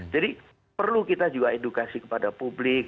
jadi perlu kita juga edukasi kepada publik